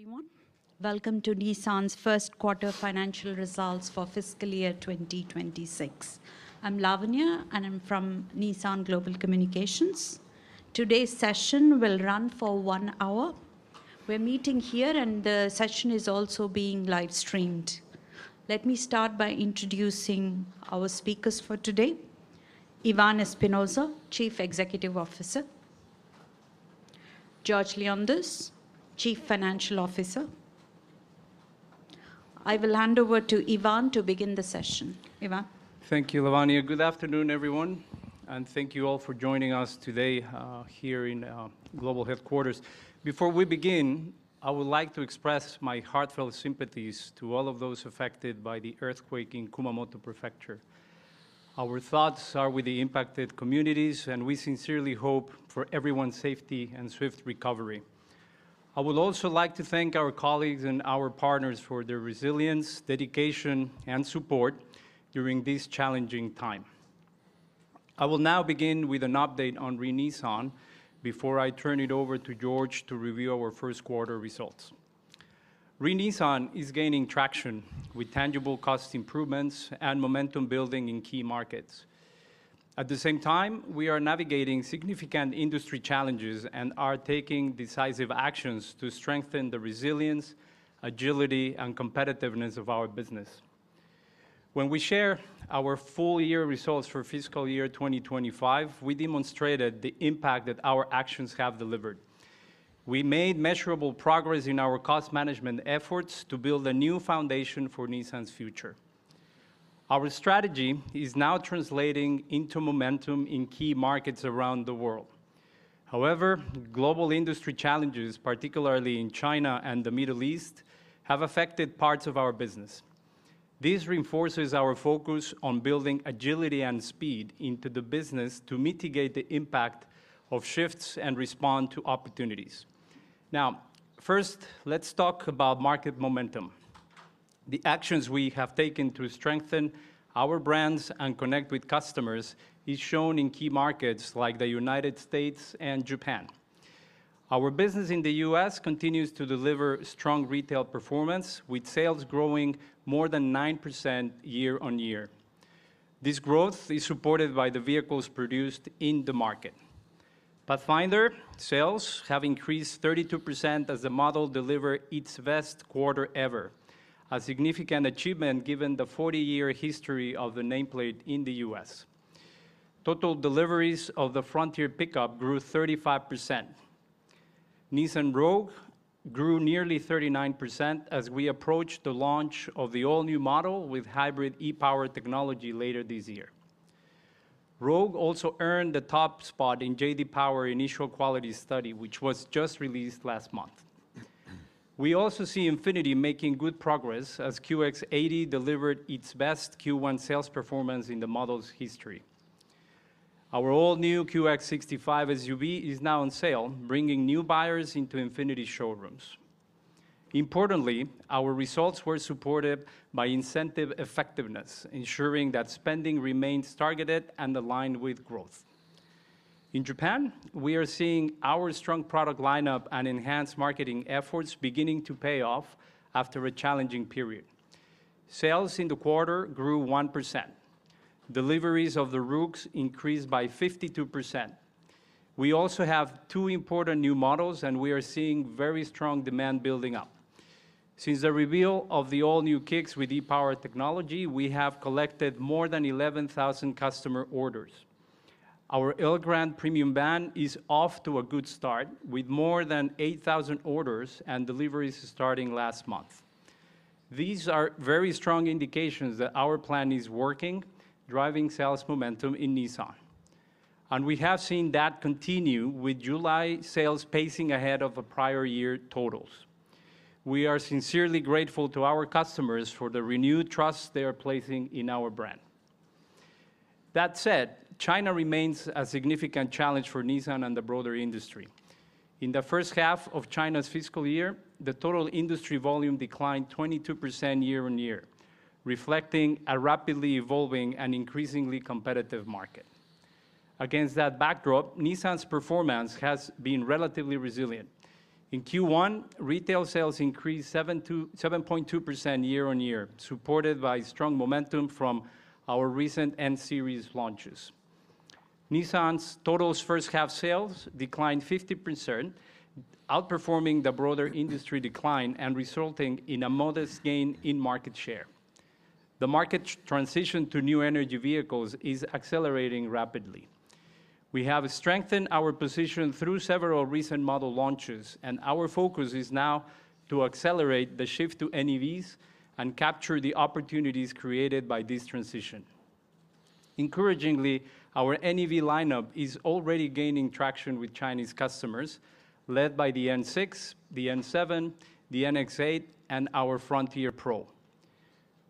Everyone. Welcome to Nissan's first quarter financial results for fiscal year 2026. I'm Lavanya, and I'm from Nissan Global Communications. Today's session will run for one hour. We're meeting here, and the session is also being live-streamed. Let me start by introducing our speakers for today. Ivan Espinosa, Chief Executive Officer. George Leondis, Chief Financial Officer. I will hand over to Ivan to begin the session. Ivan? Thank you, Lavanya. Good afternoon, everyone, and thank you all for joining us today here in global headquarters. Before we begin, I would like to express my heartfelt sympathies to all of those affected by the earthquake in Kumamoto Prefecture. Our thoughts are with the impacted communities, and we sincerely hope for everyone's safety and swift recovery. I would also like to thank our colleagues and our partners for their resilience, dedication, and support during this challenging time. I will now begin with an update on Re:Nissan before I turn it over to George to review our first quarter results. Re:Nissan is gaining traction with tangible cost improvements and momentum building in key markets. At the same time, we are navigating significant industry challenges and are taking decisive actions to strengthen the resilience, agility, and competitiveness of our business. When we share our full year results for fiscal year 2025, we demonstrated the impact that our actions have delivered. We made measurable progress in our cost management efforts to build a new foundation for Nissan's future. Our strategy is now translating into momentum in key markets around the world. However, global industry challenges, particularly in China and the Middle East, have affected parts of our business. This reinforces our focus on building agility and speed into the business to mitigate the impact of shifts and respond to opportunities. Now, first, let's talk about market momentum. The actions we have taken to strengthen our brands and connect with customers is shown in key markets like the United States and Japan. Our business in the U.S. continues to deliver strong retail performance, with sales growing more than 9% year-on-year. This growth is supported by the vehicles produced in the market. Pathfinder sales have increased 32% as the model deliver its best quarter ever, a significant achievement given the 40-year history of the nameplate in the U.S. Total deliveries of the Frontier pickup grew 35%. Nissan Rogue grew nearly 39% as we approach the launch of the all-new model with hybrid e-POWER technology later this year. Rogue also earned the top spot in JD Power Initial Quality Study, which was just released last month. We also see INFINITI making good progress as QX80 delivered its best Q1 sales performance in the model's history. Our all-new QX65 SUV is now on sale, bringing new buyers into INFINITI showrooms. Importantly, our results were supported by incentive effectiveness, ensuring that spending remains targeted and aligned with growth. In Japan, we are seeing our strong product lineup and enhanced marketing efforts beginning to pay off after a challenging period. Sales in the quarter grew 1%. Deliveries of the Roox increased by 52%. We also have two important new models, and we are seeing very strong demand building up. Since the reveal of the all-new Kicks with e-POWER technology, we have collected more than 11,000 customer orders. Our Elgrand premium van is off to a good start with more than 8,000 orders, and deliveries starting last month. These are very strong indications that our plan is working, driving sales momentum in Nissan. We have seen that continue with July sales pacing ahead of the prior year totals. We are sincerely grateful to our customers for the renewed trust they are placing in our brand. That said, China remains a significant challenge for Nissan and the broader industry. In the first half of China's fiscal year, the total industry volume declined 22% year on year, reflecting a rapidly evolving and increasingly competitive market. Against that backdrop, Nissan's performance has been relatively resilient. In Q1, retail sales increased 7.2% year on year, supported by strong momentum from our recent N series launches. Nissan's total first half sales declined 50%, outperforming the broader industry decline and resulting in a modest gain in market share. The market transition to new energy vehicles is accelerating rapidly. We have strengthened our position through several recent model launches, and our focus is now to accelerate the shift to NEVs and capture the opportunities created by this transition. Encouragingly, our NEV lineup is already gaining traction with Chinese customers, led by the N6, the N7, the NX8, and our Frontier PRO.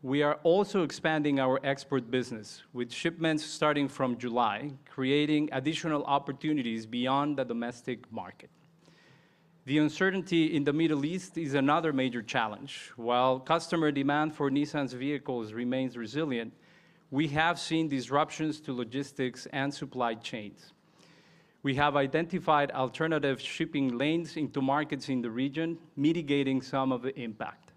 We are also expanding our export business with shipments starting from July, creating additional opportunities beyond the domestic market. The uncertainty in the Middle East is another major challenge. While customer demand for Nissan's vehicles remains resilient, we have seen disruptions to logistics and supply chains. We have identified alternative shipping lanes into markets in the region, mitigating some of the impact.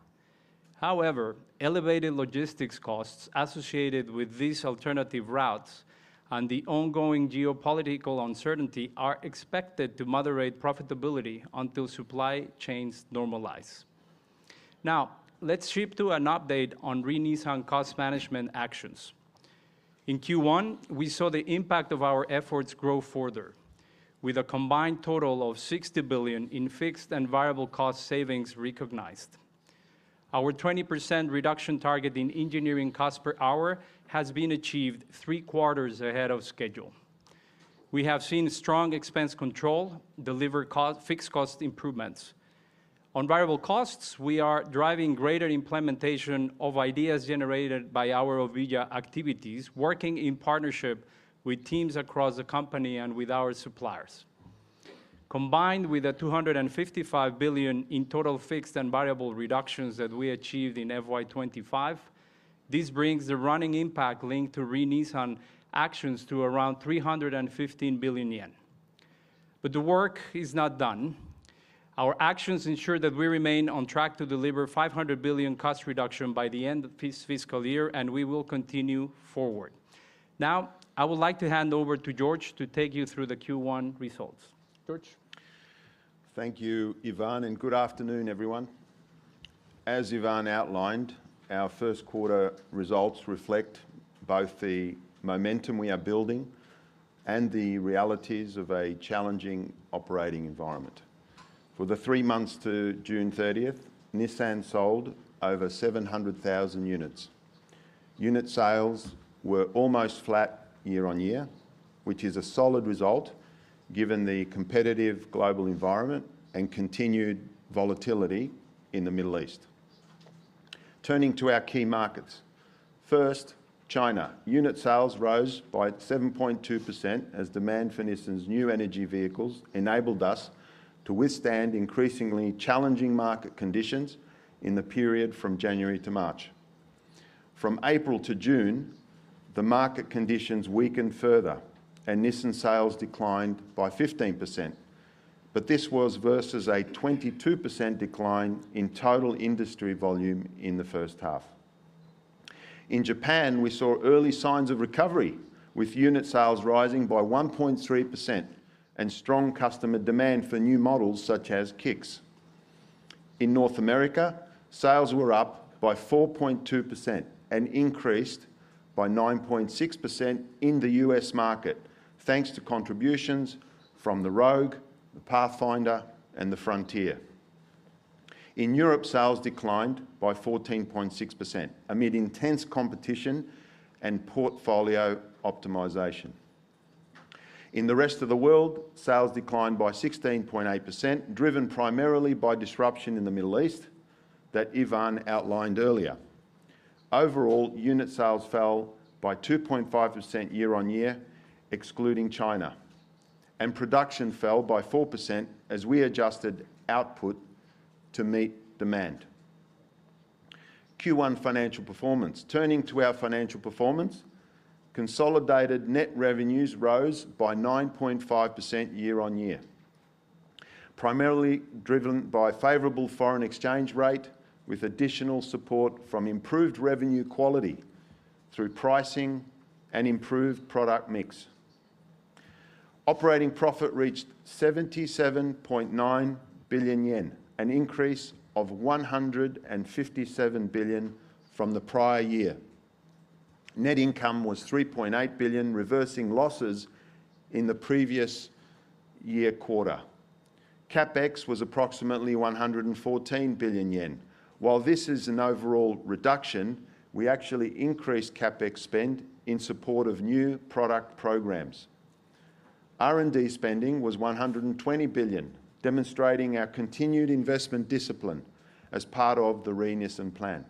However, elevated logistics costs associated with these alternative routes and the ongoing geopolitical uncertainty are expected to moderate profitability until supply chains normalize. Let's shift to an update on Re:Nissan cost management actions. In Q1, we saw the impact of our efforts grow further with a combined total of 60 billion in fixed and variable cost savings recognized. Our 20% reduction target in engineering cost per hour has been achieved three quarters ahead of schedule. We have seen strong expense control deliver fixed cost improvements. On variable costs, we are driving greater implementation of ideas generated by our Obeya activities, working in partnership with teams across the company and with our suppliers. Combined with the 255 billion in total fixed and variable reductions that we achieved in FY 2025, this brings the running impact linked to Re:Nissan actions to around 315 billion yen. The work is not done. Our actions ensure that we remain on track to deliver 500 billion cost reduction by the end of this fiscal year, and we will continue forward. I would like to hand over to George to take you through the Q1 results. George? Thank you, Ivan, and good afternoon, everyone. As Ivan outlined, our first quarter results reflect both the momentum we are building and the realities of a challenging operating environment. For the three months to June 30th, Nissan sold over 700,000 units. Unit sales were almost flat year-on-year, which is a solid result given the competitive global environment and continued volatility in the Middle East. Turning to our key markets. First, China. Unit sales rose by 7.2% as demand for Nissan's new energy vehicles enabled us to withstand increasingly challenging market conditions in the period from January to March. From April to June, the market conditions weakened further and Nissan sales declined by 15%, but this was versus a 22% decline in total industry volume in the first half. In Japan, we saw early signs of recovery with unit sales rising by 1.3% and strong customer demand for new models such as Kicks. In North America, sales were up by 4.2% and increased by 9.6% in the U.S. market, thanks to contributions from the Rogue, the Pathfinder, and the Frontier. In Europe, sales declined by 14.6% amid intense competition and portfolio optimization. In the rest of the world, sales declined by 16.8%, driven primarily by disruption in the Middle East that Ivan outlined earlier. Overall, unit sales fell by 2.5% year-on-year, excluding China, and production fell by 4% as we adjusted output to meet demand. Q1 financial performance. Turning to our financial performance, consolidated net revenues rose by 9.5% year-on-year, primarily driven by favorable foreign exchange rate with additional support from improved revenue quality through pricing and improved product mix. Operating profit reached 77.9 billion yen, an increase of 157 billion from the prior year. Net income was 3.8 billion, reversing losses in the previous year quarter. CapEx was approximately 114 billion yen. While this is an overall reduction, we actually increased CapEx spend in support of new product programs. R&D spending was 120 billion, demonstrating our continued investment discipline as part of the Re:Nissan plan.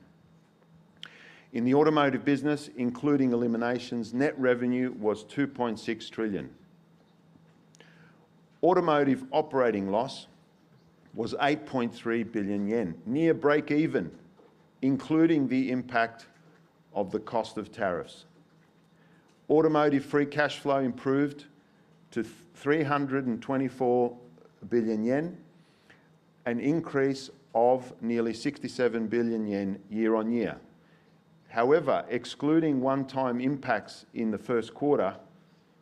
In the automotive business, including eliminations, net revenue was 2.6 trillion. Automotive operating loss was 8.3 billion yen, near breakeven, including the impact of the cost of tariffs. Automotive free cash flow improved to 324 billion yen, an increase of nearly 67 billion yen year-on-year. However, excluding one-time impacts in the first quarter,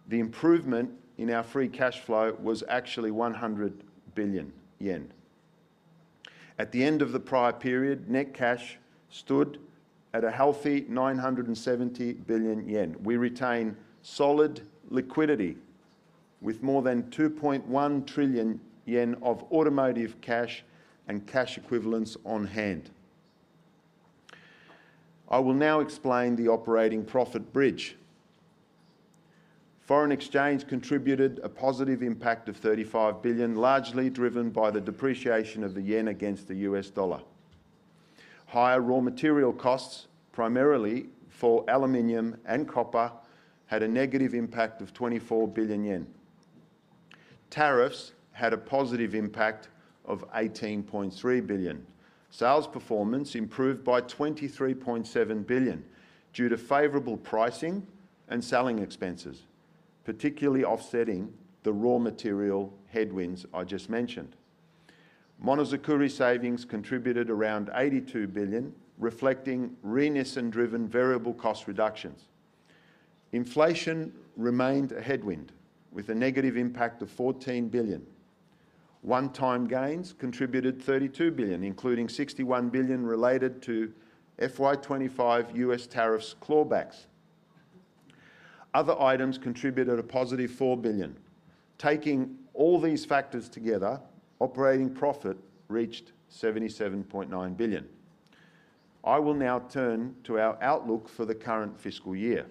the improvement in our free cash flow was actually 100 billion yen. At the end of the prior period, net cash stood at a healthy 970 billion yen. We retain solid liquidity with more than 2.1 trillion yen of automotive cash and cash equivalents on hand. I will now explain the operating profit bridge. Foreign exchange contributed a positive impact of 35 billion, largely driven by the depreciation of the yen against the U.S. dollar. Higher raw material costs, primarily for aluminum and copper, had a negative impact of 24 billion yen. Tariffs had a positive impact of 18.3 billion. Sales performance improved by 23.7 billion due to favorable pricing and selling expenses, particularly offsetting the raw material headwinds I just mentioned. Monozukuri savings contributed around 82 billion, reflecting Re:Nissan and driven variable cost reductions. Inflation remained a headwind with a negative impact of 14 billion. One-time gains contributed 32 billion, including 61 billion related to FY 2025 U.S. tariffs clawbacks. Other items contributed a positive 4 billion. Taking all these factors together, operating profit reached 77.9 billion. I will now turn to our outlook for the current fiscal year.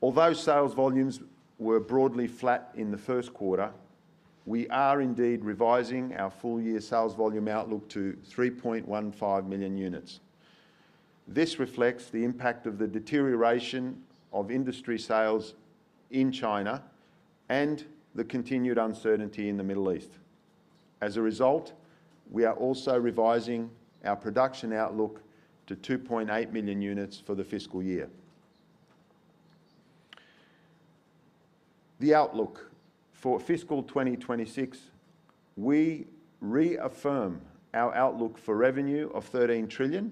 Although sales volumes were broadly flat in the first quarter, we are indeed revising our full year sales volume outlook to 3.15 million units. This reflects the impact of the deterioration of industry sales in China and the continued uncertainty in the Middle East. As a result, we are also revising our production outlook to 2.8 million units for the fiscal year. The outlook for fiscal 2026, we reaffirm our outlook for revenue of 13 trillion,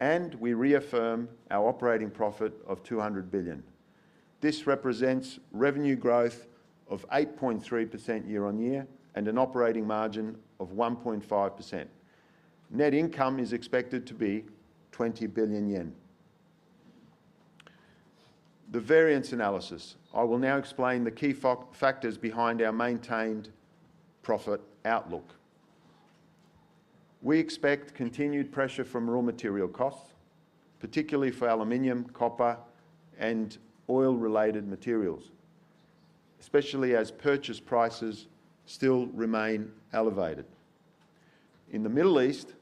and we reaffirm our operating profit of 200 billion. This represents revenue growth of 8.3% year-on-year and an operating margin of 1.5%. Net income is expected to be 20 billion yen. The variance analysis. I will now explain the key factors behind our maintained profit outlook. We expect continued pressure from raw material costs, particularly for aluminum, copper, and oil-related materials, especially as purchase prices still remain elevated. In the Middle East,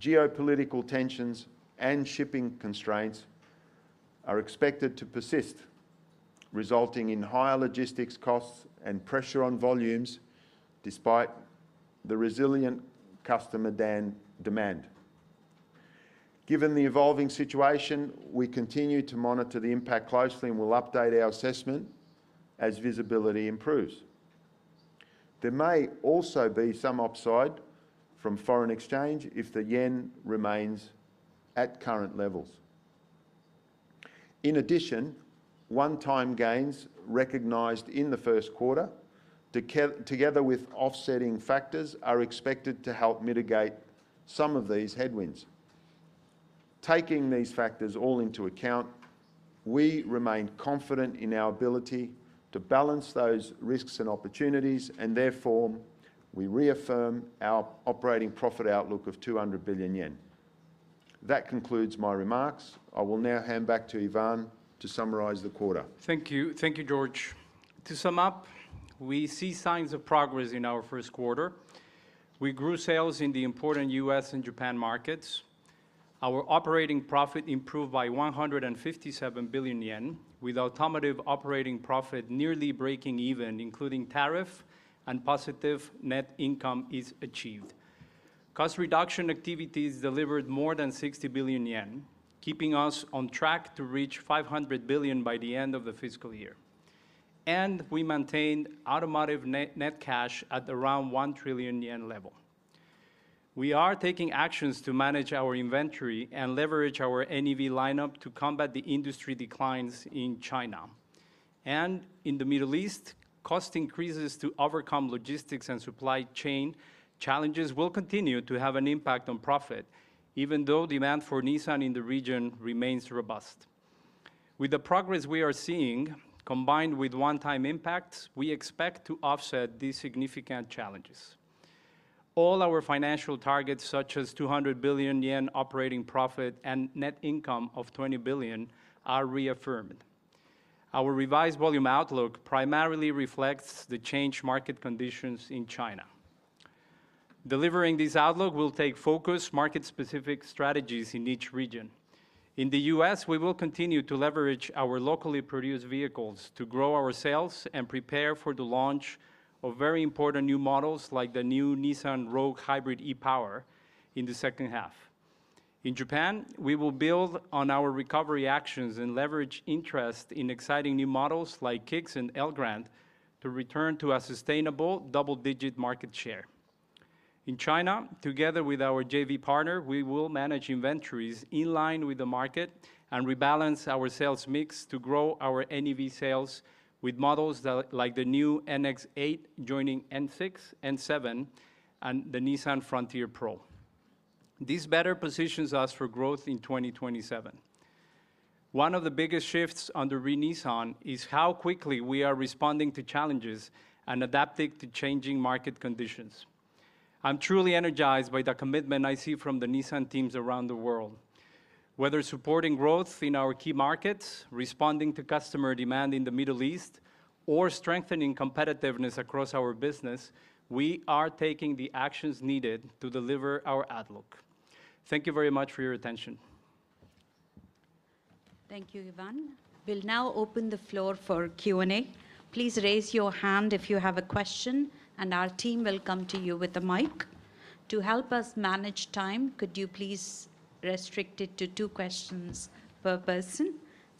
geopolitical tensions and shipping constraints are expected to persist, resulting in higher logistics costs and pressure on volumes despite the resilient customer then demand. Given the evolving situation, we continue to monitor the impact closely and will update our assessment as visibility improves. There may also be some upside from foreign exchange if the yen remains at current levels. In addition, one-time gains recognized in the first quarter, together with offsetting factors, are expected to help mitigate some of these headwinds. Taking these factors all into account, we remain confident in our ability to balance those risks and opportunities, and therefore we reaffirm our operating profit outlook of 200 billion yen. That concludes my remarks. I will now hand back to Ivan to summarize the quarter. Thank you, George. To sum up, we see signs of progress in our first quarter. We grew sales in the important U.S. and Japan markets. Our operating profit improved by 157 billion yen, with automotive operating profit nearly breaking even, including tariff and positive net income is achieved. Cost reduction activities delivered more than 60 billion yen, keeping us on track to reach 500 billion by the end of the fiscal year. We maintained automotive net cash at around 1 trillion yen level. We are taking actions to manage our inventory and leverage our NEV lineup to combat the industry declines in China. In the Middle East, cost increases to overcome logistics and supply chain challenges will continue to have an impact on profit even though demand for Nissan in the region remains robust. With the progress we are seeing, combined with one-time impacts, we expect to offset these significant challenges. All our financial targets, such as 200 billion yen operating profit and net income of 20 billion, are reaffirmed. Our revised volume outlook primarily reflects the changed market conditions in China. Delivering this outlook will take focus market-specific strategies in each region. In the U.S., we will continue to leverage our locally produced vehicles to grow our sales and prepare for the launch of very important new models like the new Nissan Rogue Hybrid e-POWER in the second half. In Japan, we will build on our recovery actions and leverage interest in exciting new models like Kicks and Elgrand to return to a sustainable double-digit market share. In China, together with our JV partner, we will manage inventories in line with the market and rebalance our sales mix to grow our NEV sales with models like the new NX8 joining N6, N7, and the Nissan Frontier PRO. This better positions us for growth in 2027. One of the biggest shifts under Re:Nissan is how quickly we are responding to challenges and adapting to changing market conditions. I'm truly energized by the commitment I see from the Nissan teams around the world. Whether supporting growth in our key markets, responding to customer demand in the Middle East, or strengthening competitiveness across our business, we are taking the actions needed to deliver our outlook. Thank you very much for your attention. Thank you, Ivan. We'll now open the floor for Q&A. Please raise your hand if you have a question, and our team will come to you with a mic. To help us manage time, could you please restrict it to two questions per person?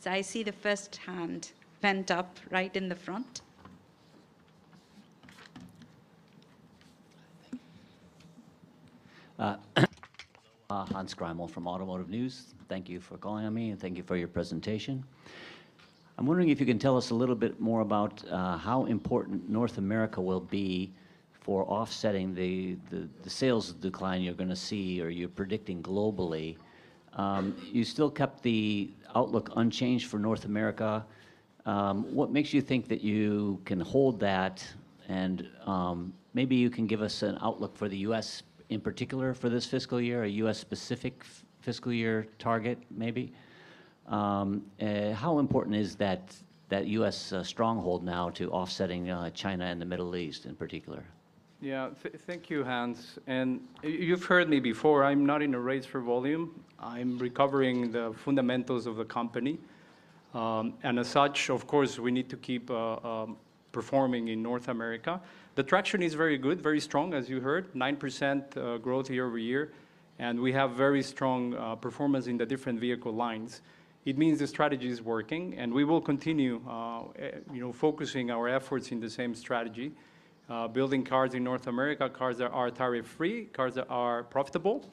I see the first hand put up right in the front. Hans Greimel from Automotive News. Thank you for calling on me, and thank you for your presentation. I'm wondering if you can tell us a little bit more about how important North America will be for offsetting the sales decline you're going to see, or you're predicting globally. You still kept the outlook unchanged for North America. What makes you think that you can hold that? Maybe you can give us an outlook for the U.S. in particular for this fiscal year, a U.S. specific fiscal year target, maybe. How important is that U.S. stronghold now to offsetting China and the Middle East in particular? Yeah. Thank you, Hans. You've heard me before, I'm not in a race for volume. I'm recovering the fundamentals of the company. As such, of course, we need to keep performing in North America. The traction is very good, very strong, as you heard, 9% growth year-over-year, and we have very strong performance in the different vehicle lines. It means the strategy is working, and we will continue focusing our efforts in the same strategy, building cars in North America, cars that are tariff-free, cars that are profitable.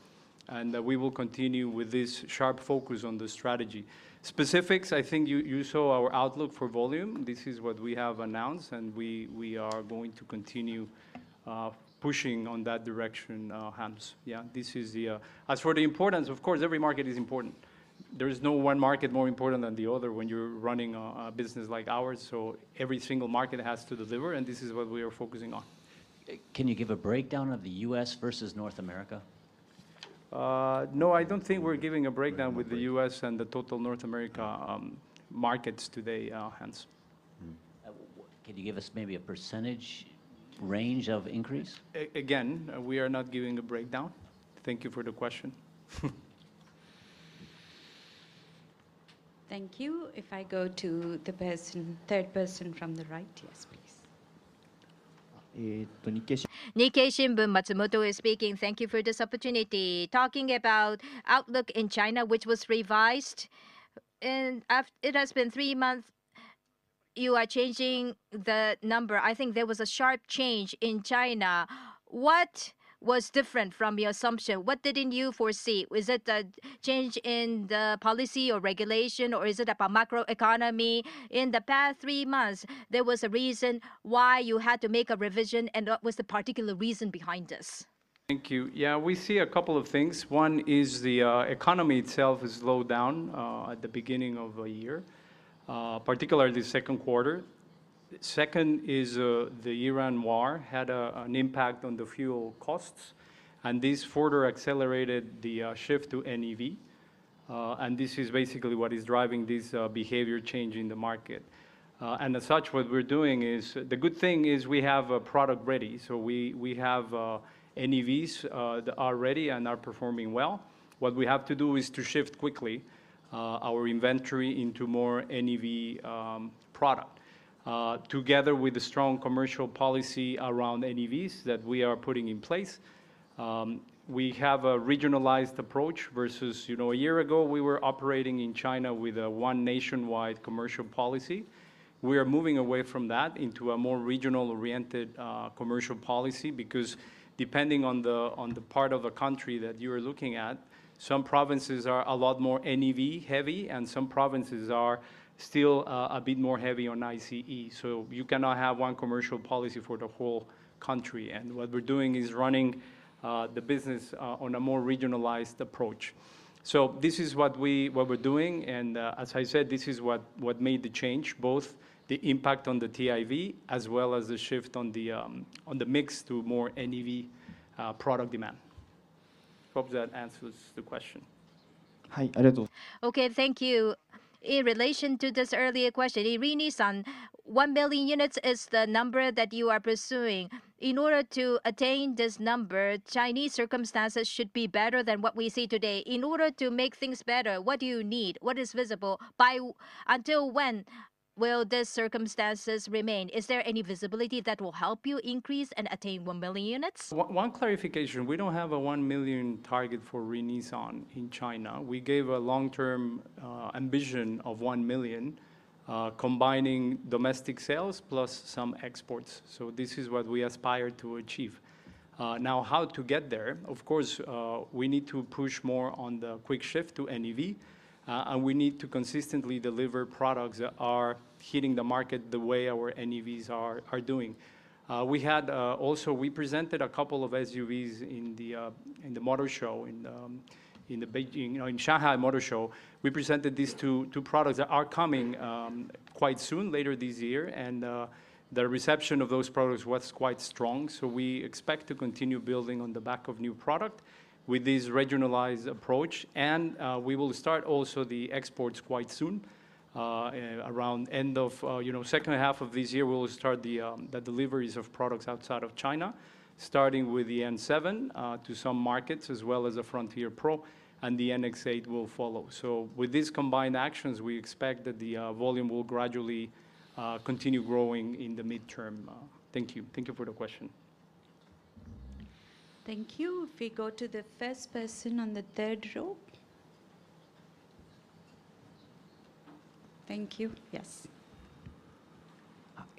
We will continue with this sharp focus on the strategy. Specifics, I think you saw our outlook for volume. This is what we have announced, and we are going to continue pushing on that direction, Hans. Yeah. As for the importance, of course, every market is important. There is no one market more important than the other when you're running a business like ours, so every single market has to deliver, and this is what we are focusing on. Can you give a breakdown of the U.S. versus North America? No, I don't think we're giving a breakdown with the U.S. and the total North America markets today, Hans. Can you give us maybe a percentage range of increase? Again, we are not giving a breakdown. Thank you for the question. Thank you. If I go to the third person from the right. Yes, please. Nikkei Shimbun, Matsumoto is speaking. Thank you for this opportunity. Talking about outlook in China, which was revised, and it has been three months, you are changing the number. I think there was a sharp change in China. What was different from your assumption? What didn't you foresee? Was it a change in the policy or regulation, or is it about macroeconomy? In the past three months, there was a reason why you had to make a revision, and what was the particular reason behind this? Thank you. Yeah, we see a couple of things. One is the economy itself has slowed down at the beginning of a year, particularly second quarter. Second is the Iran war had an impact on the fuel costs, and this further accelerated the shift to NEV. This is basically what is driving this behavior change in the market. As such, what we're doing is, the good thing is we have a product ready. We have NEVs that are ready and are performing well. What we have to do is to shift quickly our inventory into more NEV product, together with the strong commercial policy around NEVs that we are putting in place. We have a regionalized approach versus one year ago, we were operating in China with one nationwide commercial policy. We are moving away from that into a more regional-oriented commercial policy, because depending on the part of a country that you're looking at, some provinces are a lot more NEV heavy, and some provinces are still a bit more heavy on ICE. You cannot have one commercial policy for the whole country, and what we're doing is running the business on a more regionalized approach. This is what we're doing, and as I said, this is what made the change, both the impact on the TIV as well as the shift on the mix to more NEV product demand. Hope that answers the question. Okay, thank you. In relation to this earlier question, at Renault-Nissan, 1 million units is the number that you are pursuing. In order to attain this number, Chinese circumstances should be better than what we see today. In order to make things better, what do you need? What is visible? Until when will the circumstances remain? Is there any visibility that will help you increase and attain 1 million units? One clarification. We don't have a 1 million target for Renault-Nissan in China. We gave a long-term ambition of 1 million, combining domestic sales plus some exports. This is what we aspire to achieve. Now, how to get there, of course, we need to push more on the quick shift to NEV, and we need to consistently deliver products that are hitting the market the way our NEVs are doing. Also, we presented a couple of SUVs in the motor show, in the Shanghai Motor Show. We presented these two products that are coming quite soon, later this year, and the reception of those products was quite strong. We expect to continue building on the back of new product with this regionalized approach. We will start also the exports quite soon. Around end of second half of this year, we will start the deliveries of products outside of China, starting with the N7 to some markets, as well as the Frontier PRO, and the NX8 will follow. With these combined actions, we expect that the volume will gradually continue growing in the midterm. Thank you. Thank you for the question. Thank you. If we go to the first person on the third row. Thank you. Yes.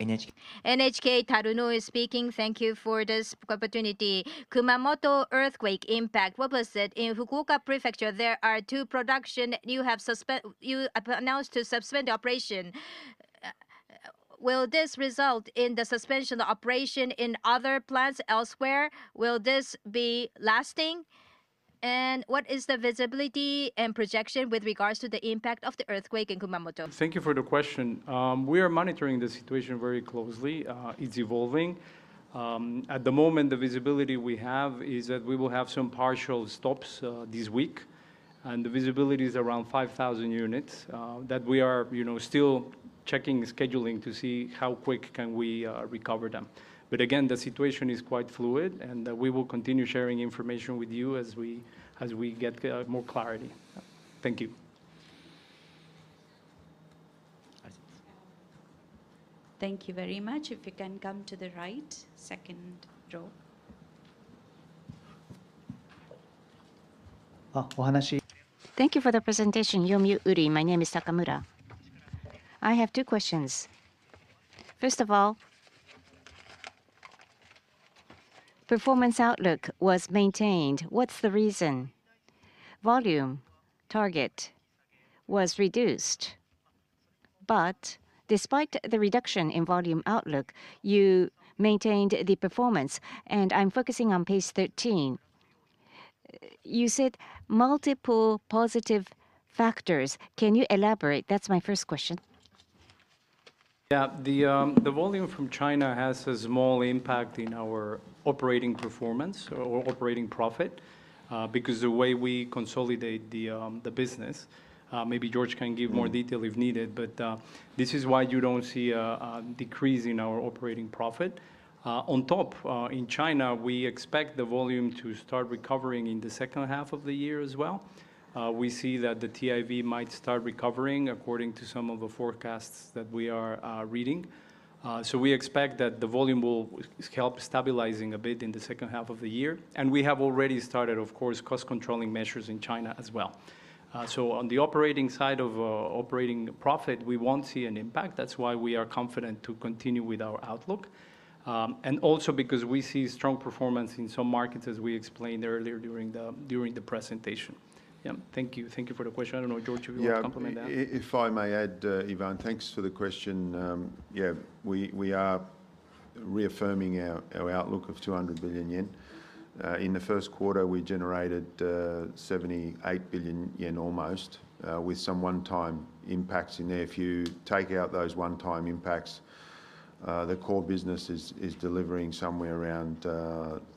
NHK, Taruno is speaking. Thank you for this opportunity. Kumamoto earthquake impact, what was it? In Fukuoka Prefecture, there are two production you announced to suspend the operation. Will this result in the suspension of the operation in other plants elsewhere? Will this be lasting? What is the visibility and projection with regards to the impact of the earthquake in Kumamoto? Thank you for the question. We are monitoring the situation very closely. It's evolving. At the moment, the visibility we have is that we will have some partial stops this week, and the visibility is around 5,000 units that we are still checking scheduling to see how quick can we recover them. Again, the situation is quite fluid, and we will continue sharing information with you as we get more clarity. Thank you. Thank you very much. If you can come to the right, second row. Thank you for the presentation. Yomiuri, my name is Takamura. I have two questions. First of all, performance outlook was maintained. What's the reason? Volume target was reduced. Despite the reduction in volume outlook, you maintained the performance. I'm focusing on page 13. You said multiple positive factors. Can you elaborate? That's my first question. Yeah. The volume from China has a small impact in our operating performance or operating profit because the way we consolidate the business. Maybe George can give more detail if needed. This is why you don't see a decrease in our operating profit. On top, in China, we expect the volume to start recovering in the second half of the year as well. We see that the TIV might start recovering according to some of the forecasts that we are reading. We expect that the volume will help stabilizing a bit in the second half of the year. We have already started, of course, cost controlling measures in China as well. On the operating side of operating profit, we won't see an impact. That's why we are confident to continue with our outlook. Also because we see strong performance in some markets, as we explained earlier during the presentation. Yeah. Thank you. Thank you for the question. I don't know, George, if you want to complement that. If I may add, Ivan, thanks for the question. We are reaffirming our outlook of 200 billion yen. In the first quarter, we generated 78 billion yen almost, with some one-time impacts in there. If you take out those one-time impacts, the core business is delivering somewhere around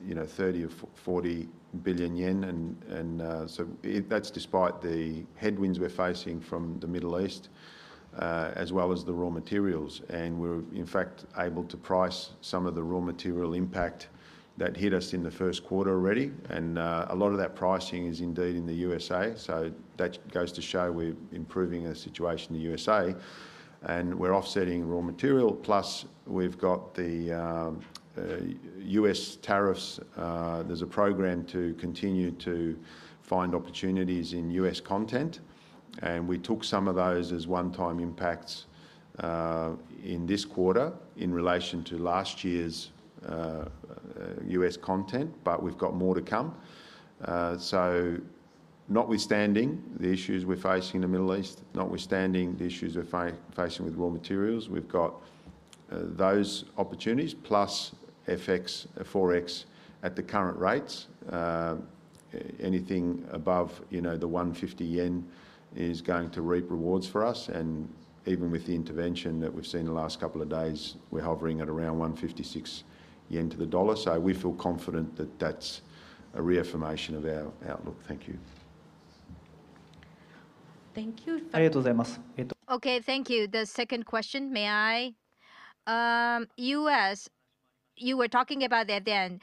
30 billion or 40 billion yen. That's despite the headwinds we're facing from the Middle East, as well as the raw materials. We're, in fact, able to price some of the raw material impact that hit us in the first quarter already. A lot of that pricing is indeed in the U.S.A., so that goes to show we're improving the situation in the U.S.A., and we're offsetting raw material. Plus, we've got the U.S. tariffs. There's a program to continue to find opportunities in U.S. content. We took some of those as one-time impacts in this quarter in relation to last year's U.S. content, but we've got more to come. Notwithstanding the issues we're facing in the Middle East, notwithstanding the issues we're facing with raw materials, we've got those opportunities plus FX, forex at the current rates. Anything above the 150 yen is going to reap rewards for us. Even with the intervention that we've seen in the last couple of days, we're hovering at around 156 yen to the dollar. We feel confident that that's a reaffirmation of our outlook. Thank you. Thank you. Okay, thank you. The second question, may I? U.S., you were talking about that then.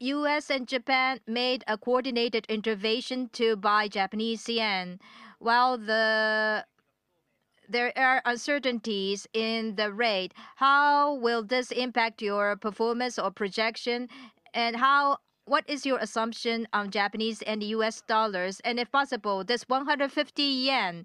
U.S. and Japan made a coordinated intervention to buy Japanese yen. While there are uncertainties in the rate, how will this impact your performance or projection? What is your assumption on Japanese and U.S. dollars? If possible, this 150 yen,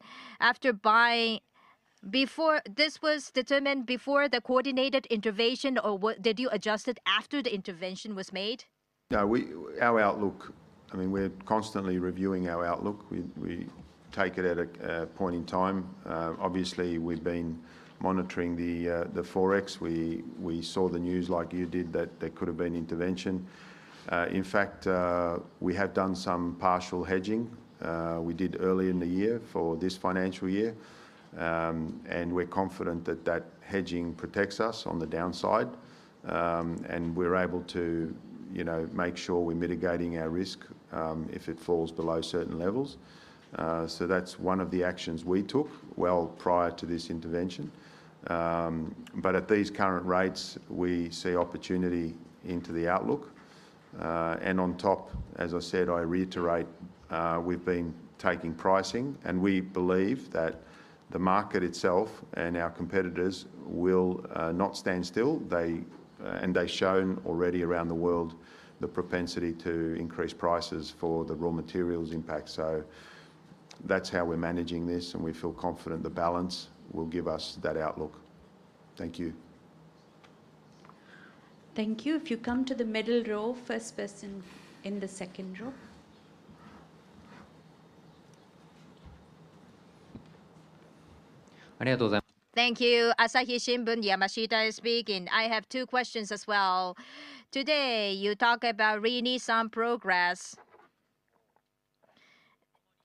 this was determined before the coordinated intervention, or did you adjust it after the intervention was made? No. Our outlook, we're constantly reviewing our outlook. We take it at a point in time. Obviously, we've been monitoring the forex. We saw the news like you did that there could have been intervention. In fact, we have done some partial hedging. We did early in the year for this financial year. We're confident that that hedging protects us on the downside, and we're able to make sure we're mitigating our risk if it falls below certain levels. That's one of the actions we took well prior to this intervention. At these current rates, we see opportunity into the outlook. On top, as I said, I reiterate we've been taking pricing, and we believe that the market itself and our competitors will not stand still. They've shown already around the world the propensity to increase prices for the raw materials impact. That's how we're managing this, and we feel confident the balance will give us that outlook. Thank you. Thank you. If you come to the middle row, first person in the second row. Thank you. Asahi Shimbun, Yamashita speaking. I have two questions as well. Today, you talk about Re:Nissan progress.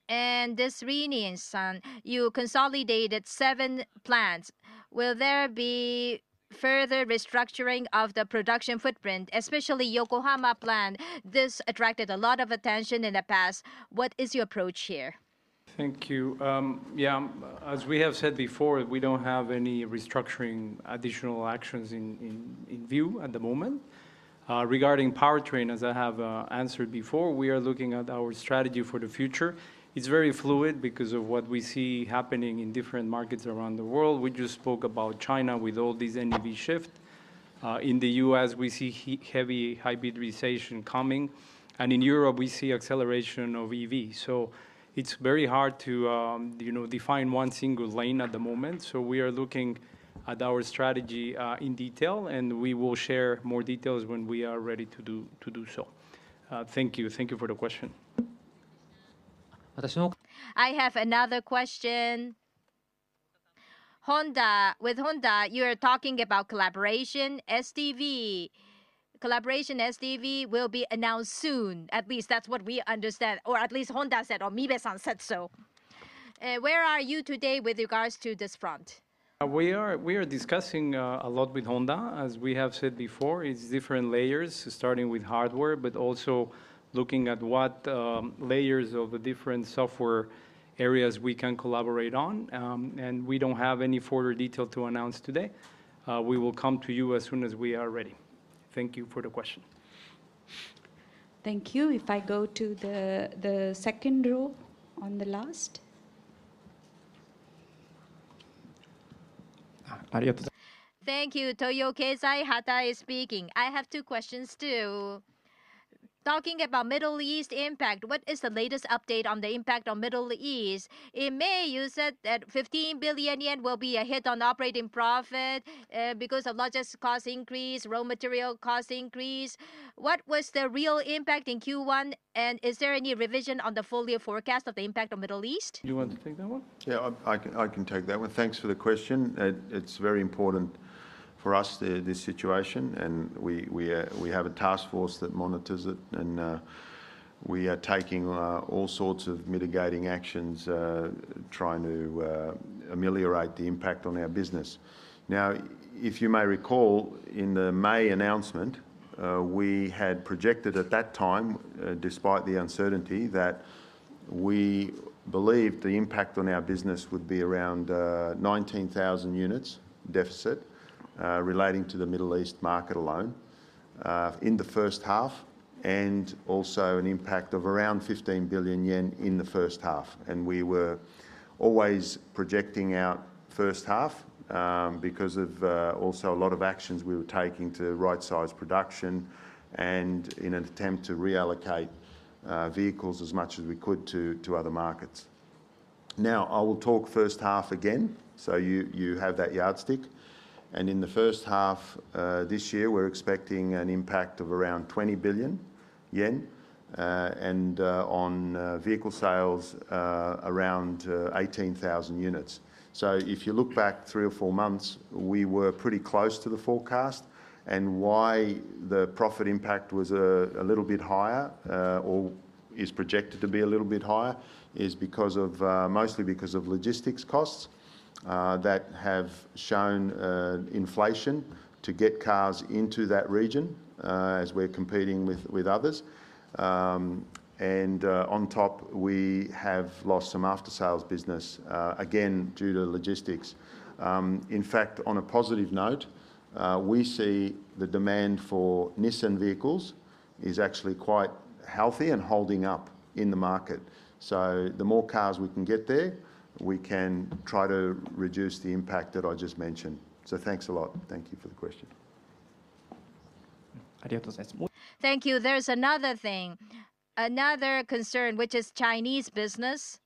This Re:Nissan, you consolidated seven plans. Will there be further restructuring of the production footprint, especially Yokohama plant? This attracted a lot of attention in the past. What is your approach here? Thank you. Yeah. As we have said before, we don't have any restructuring additional actions in view at the moment. Regarding powertrain, as I have answered before, we are looking at our strategy for the future. It's very fluid because of what we see happening in different markets around the world. We just spoke about China with all this NEV shift. In the U.S., we see heavy hybridization coming, and in Europe, we see acceleration of EV. It's very hard to define one single lane at the moment. We are looking at our strategy in detail, and we will share more details when we are ready to do so. Thank you. Thank you for the question. I have another question. With Honda, you are talking about collaboration. SDV collaboration will be announced soon. At least that's what we understand, or at least Honda said, or Mibe-san said so. Where are you today with regards to this front? We are discussing a lot with Honda. As we have said before, it's different layers, starting with hardware, but also looking at what layers of the different software areas we can collaborate on. We don't have any further detail to announce today. We will come to you as soon as we are ready. Thank you for the question. Thank you. If I go to the second row on the last. Thank you. Toyo Keizai, Hatai speaking. I have two questions, too. Talking about Middle East impact, what is the latest update on the impact on Middle East? In May, you said that 15 billion yen will be a hit on operating profit because of logistics cost increase, raw material cost increase. What was the real impact in Q1, and is there any revision on the full year forecast of the impact on Middle East? You want to take that one? Yeah. I can take that one. Thanks for the question. It's very important for us, this situation. We have a task force that monitors it, and we are taking all sorts of mitigating actions, trying to ameliorate the impact on our business. Now, if you may recall, in the May announcement, we had projected at that time, despite the uncertainty, that we believed the impact on our business would be around 19,000 units deficit relating to the Middle East market alone in the first half, and also an impact of around 15 billion yen in the first half. We were always projecting out first half because of also a lot of actions we were taking to right-size production and in an attempt to reallocate vehicles as much as we could to other markets. Now, I will talk first half again, so you have that yardstick. In the first half this year, we're expecting an impact of around 20 billion yen, and on vehicle sales, around 18,000 units. If you look back three or four months, we were pretty close to the forecast. Why the profit impact was a little bit higher or is projected to be a little bit higher is mostly because of logistics costs that have shown inflation to get cars into that region as we're competing with others. On top, we have lost some aftersales business, again, due to logistics. In fact, on a positive note, we see the demand for Nissan vehicles is actually quite healthy and holding up in the market. The more cars we can get there, we can try to reduce the impact that I just mentioned. Thanks a lot. Thank you for the question. Thank you. There's another thing, another concern, which is Chinese business.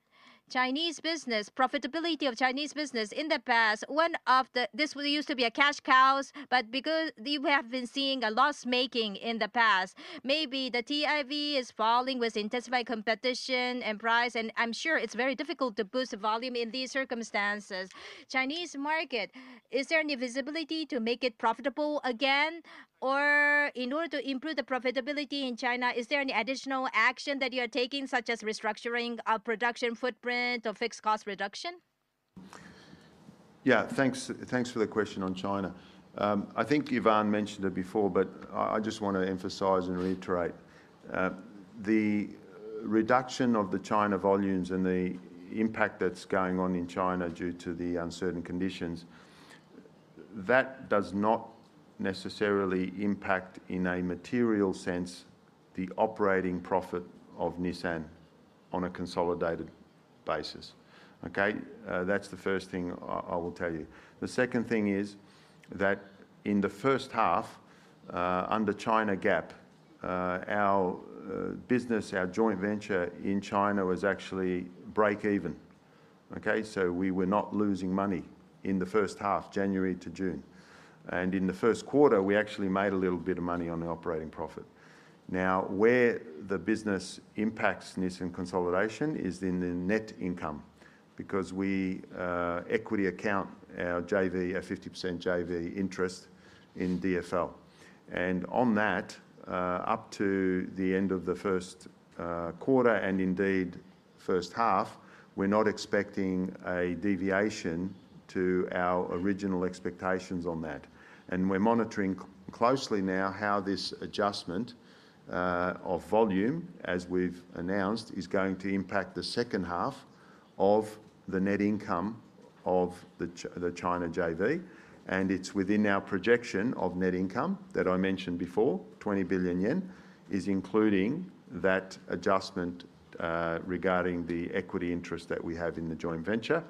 Profitability of Chinese business. In the past, this used to be a cash cow, but we have been seeing a loss-making in the past. Maybe the TIV is falling with intensified competition and price, and I'm sure it's very difficult to boost volume in these circumstances. Chinese market, is there any visibility to make it profitable again? Or in order to improve the profitability in China, is there any additional action that you're taking, such as restructuring of production footprint or fixed cost reduction? Thanks for the question on China. I think Ivan mentioned it before, but I just want to emphasize and reiterate. The reduction of the China volumes and the impact that's going on in China due to the uncertain conditions, that does not necessarily impact, in a material sense, the operating profit of Nissan on a consolidated basis, Okay? That's the first thing I will tell you. The second thing is that in the first half, under China GAAP, our business, our joint venture in China was actually break even. Okay? We were not losing money in the first half, January to June. In the first quarter, we actually made a little bit of money on the operating profit. Now, where the business impacts Nissan consolidation is in the net income because we equity account our 50% JV interest in DFL. On that, up to the end of the first quarter, and indeed first half, we're not expecting a deviation to our original expectations on that. We're monitoring closely now how this adjustment of volume, as we've announced, is going to impact the second half of the net income of the China JV. It's within our projection of net income that I mentioned before, 20 billion yen, is including that adjustment regarding the equity interest that we have in the joint venture.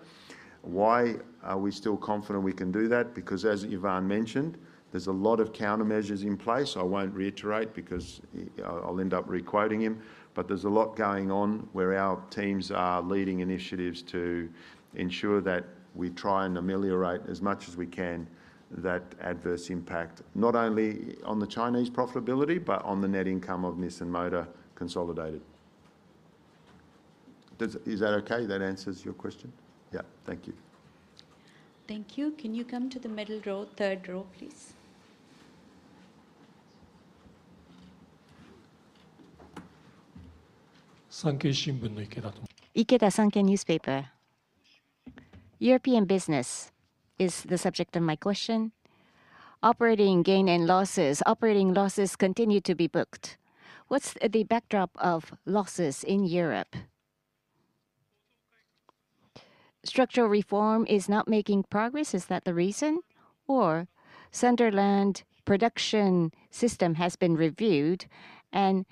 Why are we still confident we can do that? As Ivan mentioned, there's a lot of countermeasures in place. I won't reiterate because I'll end up re-quoting him. There's a lot going on where our teams are leading initiatives to ensure that we try and ameliorate as much as we can that adverse impact, not only on the Chinese profitability, but on the net income of Nissan Motor consolidated. Is that okay? That answers your question? Thank you. Thank you. Can you come to the middle row, third row, please? Ikeda, Sankei Newspaper. European business is the subject of my question. Operating gain and losses. Operating losses continue to be booked. What's the backdrop of losses in Europe? Structural reform is not making progress, is that the reason? Or Sunderland production system has been reviewed, and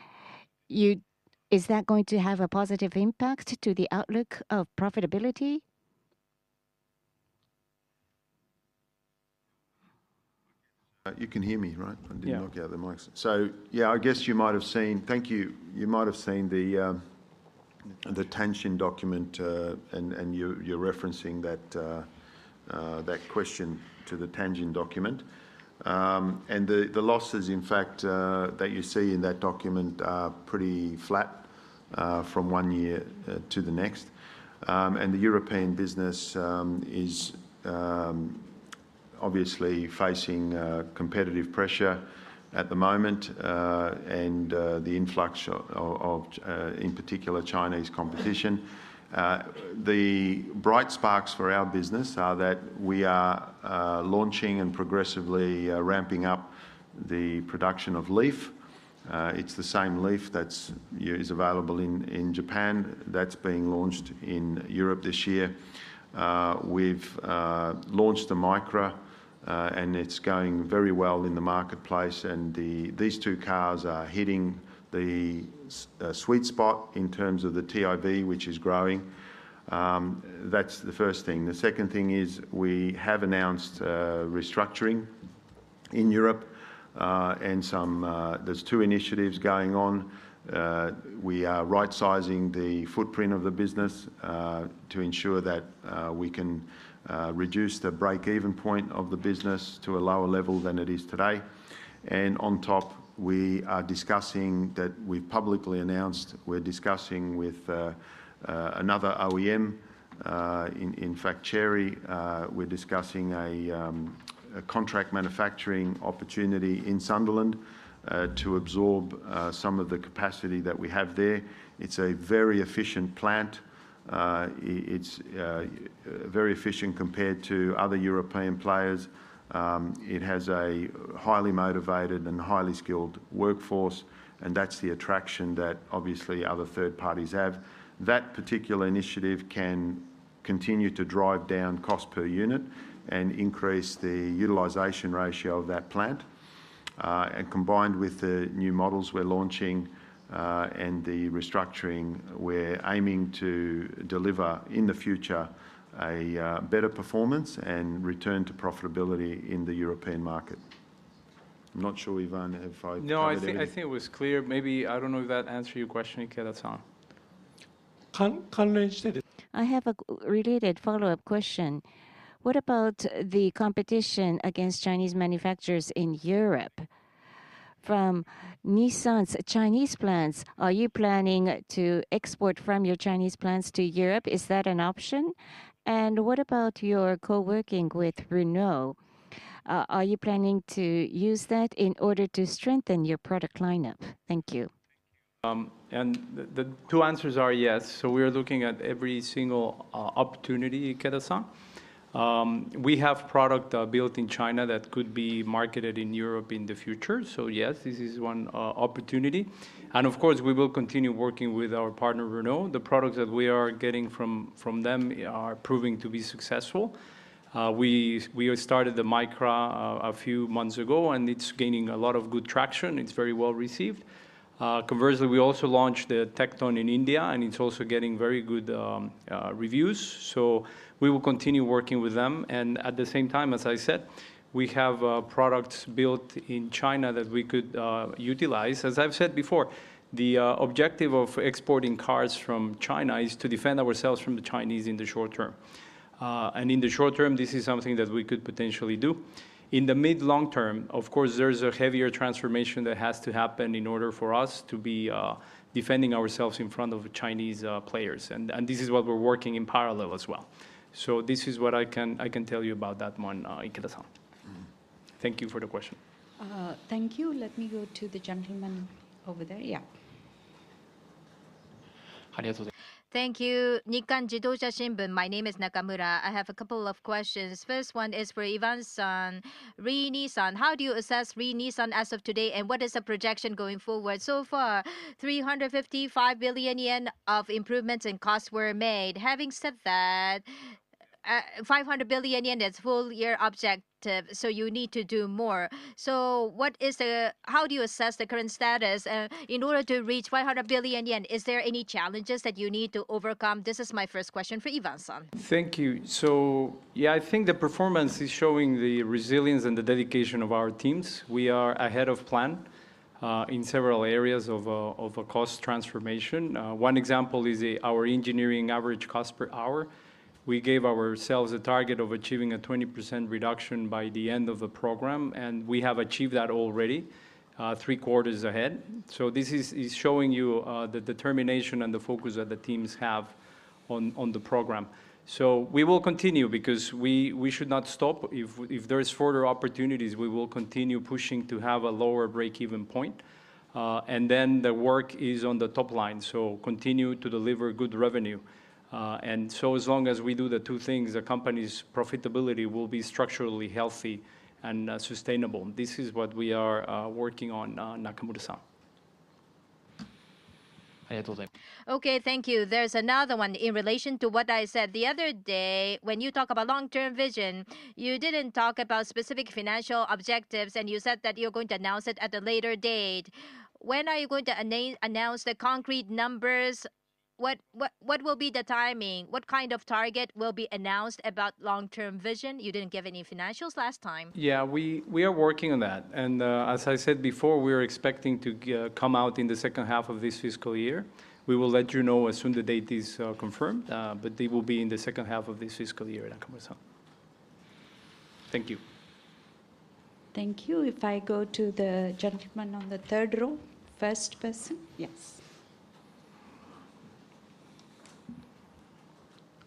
is that going to have a positive impact to the outlook of profitability? You can hear me right? Yeah. I didn't knock out the mics. Yeah, I guess you might have seen the Tanshin document. You're referencing that question to the Tanshin document. The losses, in fact, that you see in that document are pretty flat from one year to the next. The European business is obviously facing competitive pressure at the moment, and the influx of, in particular, Chinese competition. The bright sparks for our business are that we are launching and progressively ramping up the production of LEAF. It's the same LEAF that is available in Japan. That's being launched in Europe this year. We've launched the MICRA, and it's going very well in the marketplace. These two cars are hitting the sweet spot in terms of the TIV, which is growing. That's the first thing. The second thing is we have announced restructuring in Europe. There's two initiatives going on. We are right-sizing the footprint of the business to ensure that we can reduce the break-even point of the business to a lower level than it is today. On top, we are discussing that we publicly announced we're discussing with another OEM, in fact, Chery. We're discussing a contract manufacturing opportunity in Sunderland to absorb some of the capacity that we have there. It's a very efficient plant. It's very efficient compared to other European players. It has a highly motivated and highly skilled workforce, and that's the attraction that obviously other third parties have. That particular initiative can continue to drive down cost per unit and increase the utilization ratio of that plant. Combined with the new models we're launching and the restructuring, we're aiming to deliver, in the future, a better performance and return to profitability in the European market. I'm not sure, Ivan, if I covered everything. No, I think it was clear. I don't know if that answered your question, Ikeda-san. I have a related follow-up question. What about the competition against Chinese manufacturers in Europe from Nissan's Chinese plants? Are you planning to export from your Chinese plants to Europe? Is that an option? What about your co-working with Renault? Are you planning to use that in order to strengthen your product lineup? Thank you. The two answers are yes. We are looking at every single opportunity, Ikeda-san. We have product built in China that could be marketed in Europe in the future. Yes, this is one opportunity, and of course, we will continue working with our partner, Renault. The products that we are getting from them are proving to be successful. We started the MICRA a few months ago, and it's gaining a lot of good traction. It's very well-received. Conversely, we also launched the Tekton in India, and it's also getting very good reviews. We will continue working with them. At the same time, as I've said, we have products built in China that we could utilize. As I've said before, the objective of exporting cars from China is to defend ourselves from the Chinese in the short-term. In the short-term, this is something that we could potentially do. In the mid-long-term, of course, there's a heavier transformation that has to happen in order for us to be defending ourselves in front of Chinese players, and this is what we're working in parallel as well. This is what I can tell you about that one, Ikeda-san. Thank you for the question. Thank you. Let me go to the gentleman over there. Thank you. Nikkan Kogyo Shimbun, my name is Nakamura. I have a couple of questions. First one is for Ivan-san. Re:Nissan, how do you assess Re:Nissan as of today, and what is the projection going forward? Far, 355 billion yen of improvements and costs were made. Having said that, 500 billion yen is full year objective, you need to do more. How do you assess the current status in order to reach 500 billion yen? Is there any challenges that you need to overcome? This is my first question for Ivan-san. Thank you. Yeah, I think the performance is showing the resilience and the dedication of our teams. We are ahead of plan in several areas of cost transformation. One example is our engineering average cost per hour. We gave ourselves a target of achieving a 20% reduction by the end of the program, and we have achieved that already three quarters ahead. This is showing you the determination and the focus that the teams have on the program. We will continue because we should not stop. If there is further opportunities, we will continue pushing to have a lower break-even point. The work is on the top line, continue to deliver good revenue. As long as we do the two things, the company's profitability will be structurally healthy and sustainable. This is what we are working on, Nakamura-san. Okay, thank you. There's another one in relation to what I said the other day. When you talk about long-term vision, you didn't talk about specific financial objectives, and you said that you're going to announce it at a later date. When are you going to announce the concrete numbers? What will be the timing? What kind of target will be announced about long-term vision? You didn't give any financials last time. Yeah, we are working on that. As I said before, we are expecting to come out in the second half of this fiscal year. We will let you know as soon the date is confirmed, but they will be in the second half of this fiscal year, Nakamura-san. Thank you. Thank you. If I go to the gentleman on the third row. First person. Yes.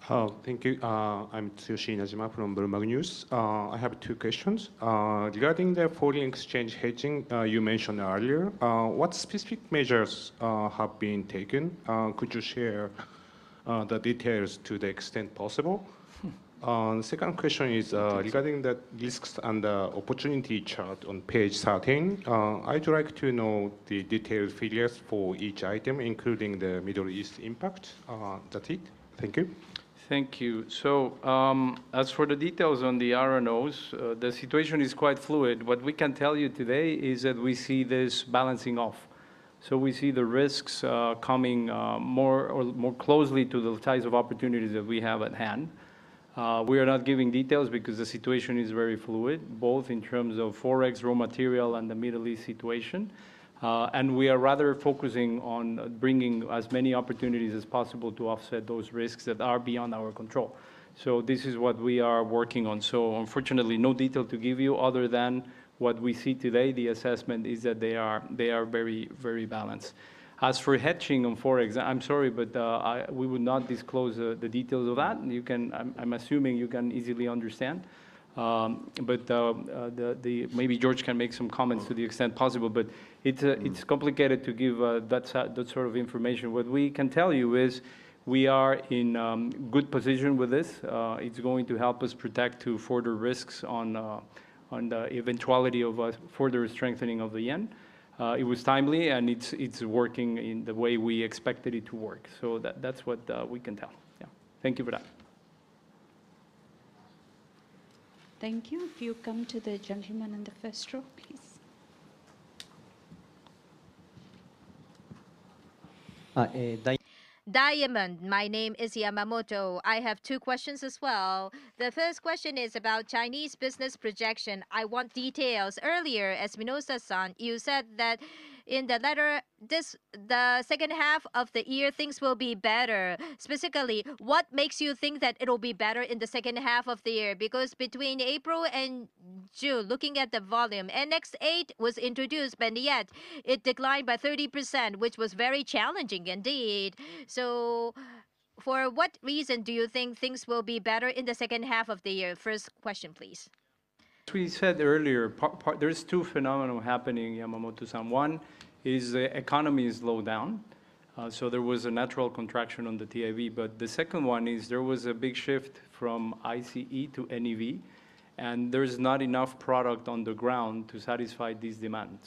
Thank you. I'm Tsuyoshi Inajima from Bloomberg News. I have two questions. Regarding the foreign exchange hedging you mentioned earlier, what specific measures have been taken? Could you share the details to the extent possible? Second question is regarding the risks and the opportunity chart on page 13. I'd like to know the detailed figures for each item, including the Middle East impact. That's it. Thank you. Thank you. As for the details on the RNOs, the situation is quite fluid. What we can tell you today is that we see this balancing off. We see the risks coming more closely to the size of opportunities that we have at hand. We are not giving details because the situation is very fluid, both in terms of forex raw material and the Middle East situation. We are rather focusing on bringing as many opportunities as possible to offset those risks that are beyond our control. This is what we are working on. Unfortunately, no detail to give you other than what we see today. The assessment is that they are very balanced. As for hedging on forex, I'm sorry, we will not disclose the details of that. I'm assuming you can easily understand. Maybe George can make some comments to the extent possible, but it's complicated to give that sort of information. What we can tell you is we are in good position with this. It's going to help us protect to further risks on the eventuality of a further strengthening of the yen. It was timely, and it's working in the way we expected it to work. That's what we can tell. Yeah. Thank you for that. Thank you. If you come to the gentleman in the first row, please. Diamond, my name is Yamamoto. I have two questions as well. The first question is about Chinese business projection. I want details. Earlier, Espinosa-san, you said that in the letter, the second half of the year, things will be better. Specifically, what makes you think that it'll be better in the second half of the year? Because between April and June, looking at the volume, NX8 was introduced, yet it declined by 30%, which was very challenging indeed. For what reason do you think things will be better in the second half of the year? First question, please. As we said earlier, there are two phenomena happening, Yamamoto-san. One is the economy has slowed down, there was a natural contraction on the TIV. The second one is there was a big shift from ICE to NEV, and there's not enough product on the ground to satisfy this demand.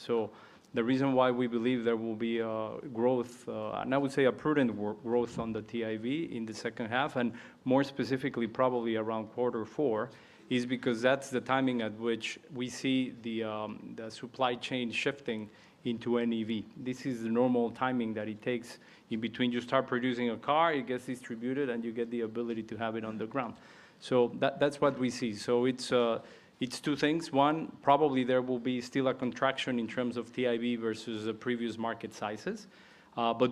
The reason why we believe there will be a growth, and I would say a prudent growth on the TIV in the second half and more specifically, probably around quarter four, is because that's the timing at which we see the supply chain shifting into NEV. This is the normal timing that it takes in between you start producing a car, it gets distributed, and you get the ability to have it on the ground. That's what we see. It's two things. One, probably there will be still a contraction in terms of TIV versus the previous market sizes.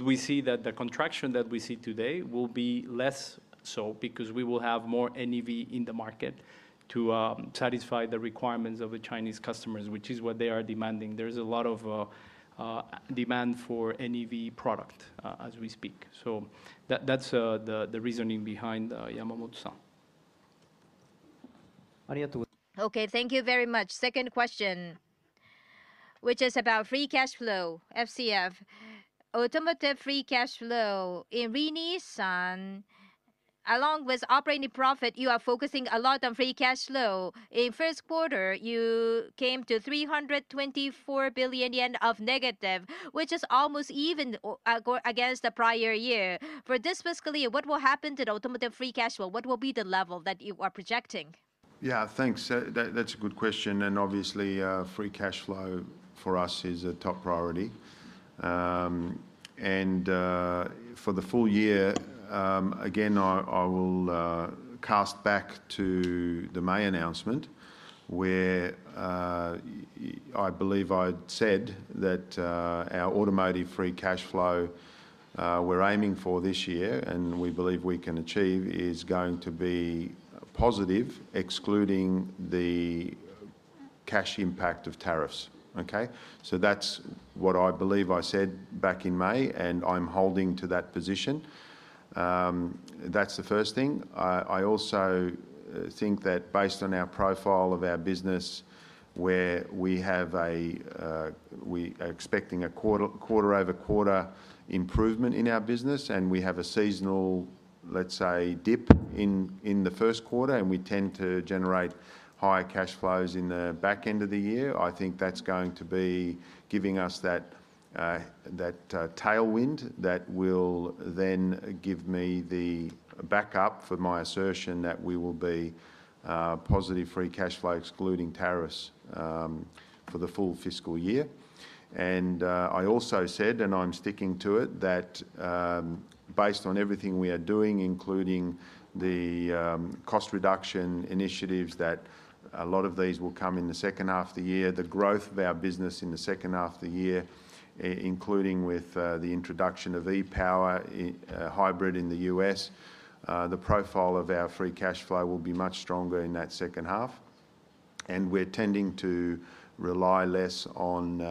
We see that the contraction that we see today will be less so because we will have more NEV in the market to satisfy the requirements of the Chinese customers, which is what they are demanding. There is a lot of demand for NEV product as we speak. That's the reasoning behind, Yamamoto-san. Okay. Thank you very much. Second question, which is about free cash flow, FCF. Automotive free cash flow in Nissan, along with operating profit, you are focusing a lot on free cash flow. In first quarter, you came to 324 billion yen of negative, which is almost even against the prior year. For this fiscal year, what will happen to the automotive free cash flow? What will be the level that you are projecting? Thanks. That is a good question, and obviously, free cash flow for us is a top priority. For the full year, again, I will cast back to the May announcement where, I believe I said that our automotive free cash flow we are aiming for this year and we believe we can achieve is going to be positive, excluding the cash impact of tariffs. Okay? That is what I believe I said back in May, and I am holding to that position. That is the first thing. I also think that based on our profile of our business where we are expecting a quarter-over-quarter improvement in our business, and we have a seasonal, let's say, dip in the first quarter, and we tend to generate higher cash flows in the back end of the year. I think that is going to be giving us that tailwind that will then give me the backup for my assertion that we will be positive free cash flow, excluding tariffs, for the full fiscal year. I also said, and I am sticking to it, that based on everything we are doing, including the cost reduction initiatives, that a lot of these will come in the second half of the year. The growth of our business in the second half of the year, including with the introduction of e-POWER hybrid in the U.S., the profile of our free cash flow will be much stronger in that second half. We are tending to rely less on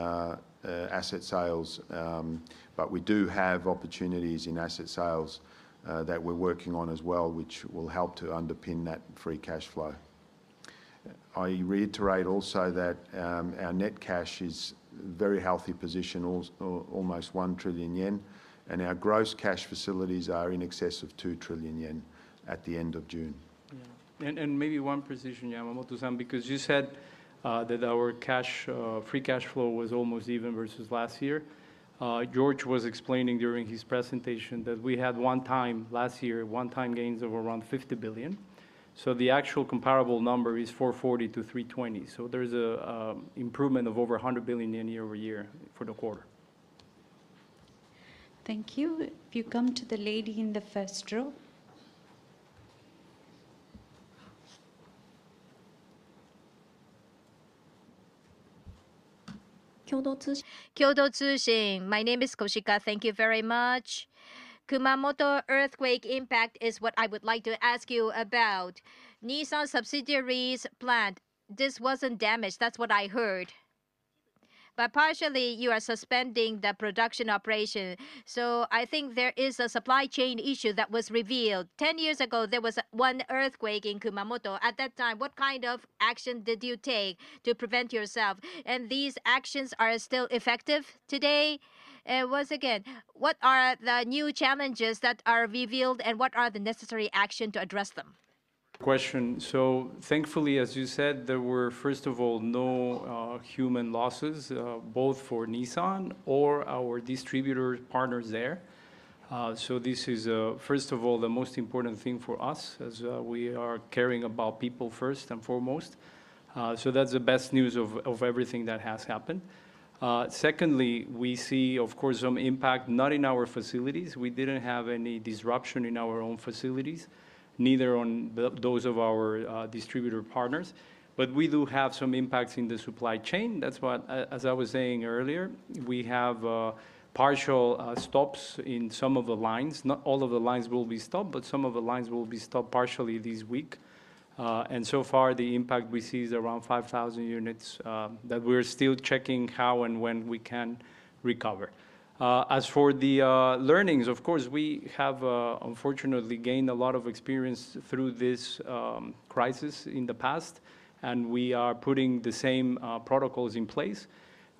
asset sales, but we do have opportunities in asset sales that we are working on as well, which will help to underpin that free cash flow. I reiterate also that our net cash is very healthy position, almost 1 trillion yen, and our gross cash facilities are in excess of 2 trillion yen at the end of June. Maybe one precision, Yamamoto-san, because you said that our free cash flow was almost even versus last year. George was explaining during his presentation that we had one time last year, one time gains of around 150 billion. The actual comparable number is 440 billion-320 billion. There is an improvement of over 100 billion year-over-year for the quarter. Thank you. If you come to the lady in the first row. Kyodo Tsushin. My name is Koshika. Thank you very much. Kumamoto earthquake impact is what I would like to ask you about. Nissan subsidiary's plant, this wasn't damaged. That's what I heard. Partially, you are suspending the production operation. I think there is a supply chain issue that was revealed. 10 years ago, there was one earthquake in Kumamoto. At that time, what kind of action did you take to prevent yourself? These actions are still effective today? Once again, what are the new challenges that are revealed, and what are the necessary action to address them? Question. Thankfully, as you said, there were, first of all, no human losses, both for Nissan or our distributor partners there. This is, first of all, the most important thing for us as we are caring about people first and foremost. That's the best news of everything that has happened. Secondly, we see, of course, some impact, not in our facilities. We didn't have any disruption in our own facilities. Neither on those of our distributor partners. We do have some impacts in the supply chain. That's why, as I was saying earlier, we have partial stops in some of the lines. Not all of the lines will be stopped, but some of the lines will be stopped partially this week. So far, the impact we see is around 5,000 units that we're still checking how and when we can recover. As for the learnings, of course, we have unfortunately gained a lot of experience through this crisis in the past. We are putting the same protocols in place.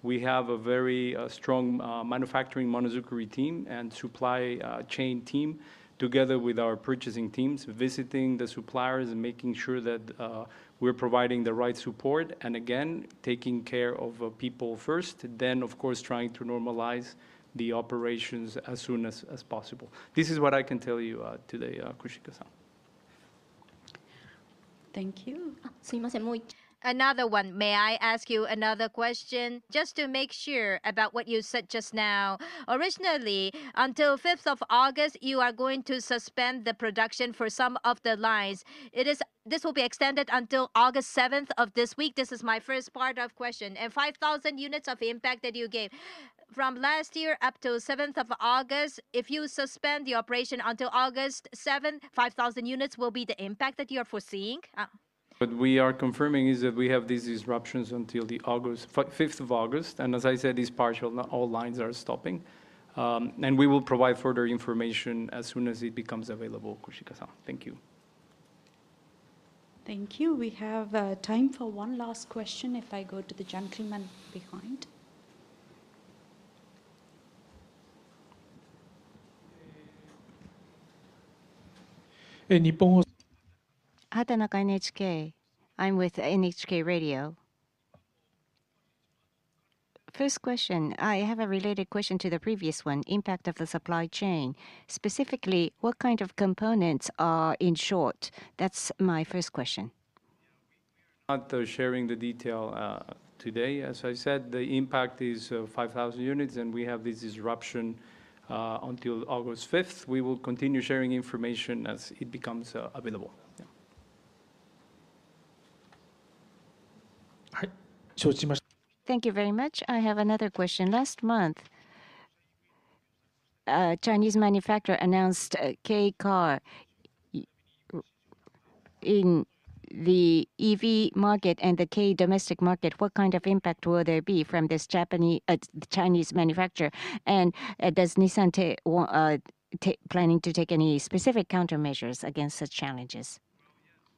We have a very strong manufacturing Monozukuri team and supply chain team, together with our purchasing teams, visiting the suppliers and making sure that we're providing the right support. Again, taking care of people first. Of course, trying to normalize the operations as soon as possible. This is what I can tell you today, Koshika-san. Thank you. Another one. May I ask you another question? Just to make sure about what you said just now. Originally, until 5th of August, you are going to suspend the production for some of the lines. This will be extended until August 7th of this week. This is my first part of question. 5,000 units of impact that you gave. From last year up to 7th of August, if you suspend the operation until August 7th, 5,000 units will be the impact that you are foreseeing? What we are confirming is that we have these disruptions until the 5th of August, as I said, it is partial, not all lines are stopping. We will provide further information as soon as it becomes available, Koshika-san. Thank you. Thank you. We have time for one last question if I go to the gentleman behind. Hatanaka, NHK. I'm with NHK Radio. First question, I have a related question to the previous one, impact of the supply chain. Specifically, what kind of components are in short? That's my first question. Not sharing the detail today. As I said, the impact is 5,000 units and we have this disruption until August 5th. We will continue sharing information as it becomes available. Yeah. Thank you very much. I have another question. Last month, a Chinese manufacturer announced a Kei car. In the EV market and the Kei domestic market, what kind of impact will there be from this Chinese manufacturer? Is Nissan planning to take any specific countermeasures against such challenges?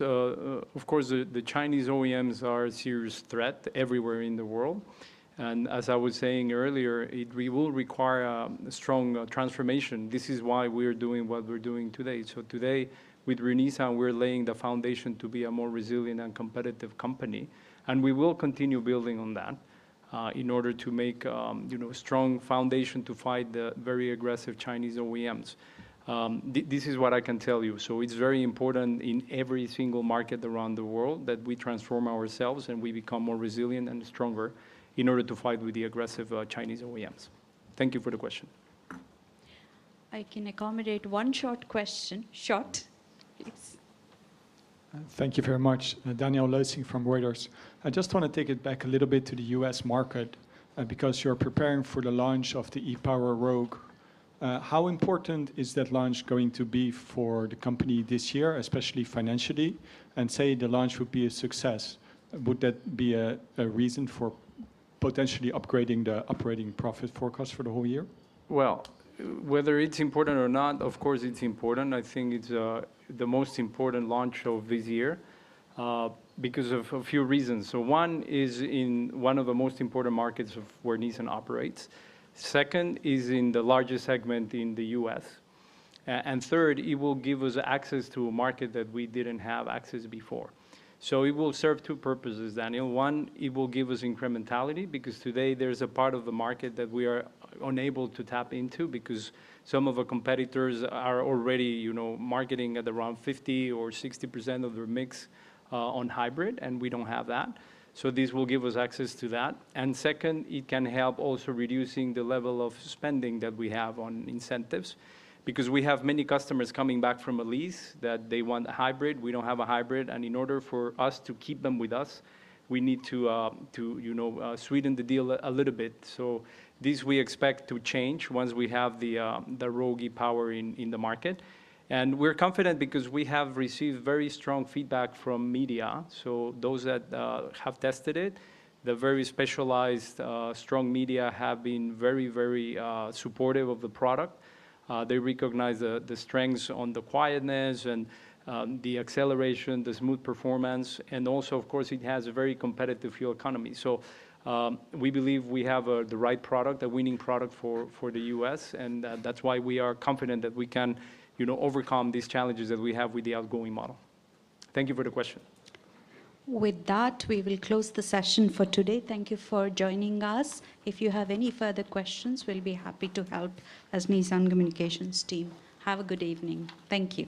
Of course, the Chinese OEMs are a serious threat everywhere in the world. As I was saying earlier, we will require a strong transformation. This is why we are doing what we're doing today. Today with Re:Nissan, we're laying the foundation to be a more resilient and competitive company. We will continue building on that, in order to make a strong foundation to fight the very aggressive Chinese OEMs. This is what I can tell you. It's very important in every single market around the world that we transform ourselves and we become more resilient and stronger in order to fight with the aggressive Chinese OEMs. Thank you for the question. I can accommodate one short question. Short, please. Thank you very much. Daniel Leussink from Reuters. I just want to take it back a little bit to the U.S. market, because you're preparing for the launch of the e-POWER Rogue. How important is that launch going to be for the company this year, especially financially? Say the launch would be a success, would that be a reason for potentially upgrading the operating profit forecast for the whole year? Well, whether it's important or not, of course it's important. I think it's the most important launch of this year, because of a few reasons. One is in one of the most important markets of where Nissan operates. Second is in the largest segment in the U.S. Third, it will give us access to a market that we didn't have access before. It will serve two purposes, Daniel. One, it will give us incrementality because today there is a part of the market that we are unable to tap into because some of our competitors are already marketing at around 50% or 60% of their mix on hybrid, and we don't have that. This will give us access to that. Second, it can help also reducing the level of spending that we have on incentives because we have many customers coming back from a lease that they want a hybrid. We don't have a hybrid, and in order for us to keep them with us, we need to sweeten the deal a little bit. This we expect to change once we have the Rogue e-POWER in the market. We're confident because we have received very strong feedback from media. Those that have tested it, the very specialized, strong media have been very, very supportive of the product. They recognize the strengths on the quietness and the acceleration, the smooth performance, and also, of course, it has a very competitive fuel economy. We believe we have the right product, a winning product for the U.S., and that is why we are confident that we can overcome these challenges that we have with the outgoing model. Thank you for the question. With that, we will close the session for today. Thank you for joining us. If you have any further questions, we will be happy to help as Nissan Communications team. Have a good evening. Thank you.